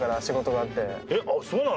あっそうなの？